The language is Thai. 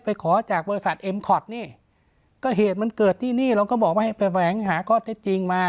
ขอจากบริษัทเอ็มคอร์ดนี่ก็เหตุมันเกิดที่นี่เราก็บอกว่าให้ไปแฝงหาข้อเท็จจริงมา